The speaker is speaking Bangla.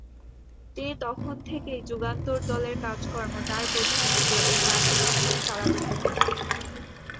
তিনি তখন থেকেই যুগান্তর দলের কাজকর্ম তার প্রতিষ্ঠিত এই মঠের মাধ্যমে চালাতে থাকেন।